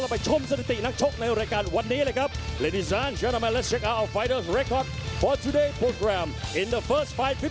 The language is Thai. ไปชมสถิตินักชกในรายการวันนี้เลยครับ